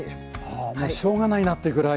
あもう「しょうが」ないなというぐらい。